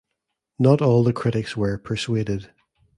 Not all the critics were persuaded.